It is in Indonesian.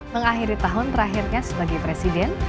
mengakhiri tahun terakhirnya sebagai presiden